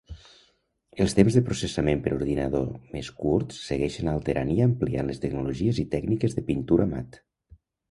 Els temps de processament per ordinador més curts segueixen alterant i ampliant les tecnologies i tècniques de pintura mat.